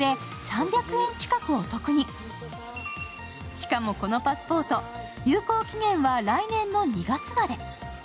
しかも、このパスポート、有効期限は来年の２月まで。